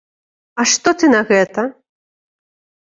А што ты на гэта?